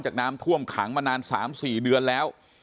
น้ำท่วมขังมานาน๓๔เดือนแล้ว